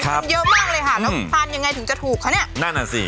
มันเยอะมากเลยค่ะแล้วทานยังไงถึงจะถูกคะเนี่ยนั่นอ่ะสิ